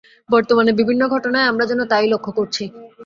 বর্তমানে বিভিন্ন ঘটনায় আমরা যেন তা ই লক্ষ করছি।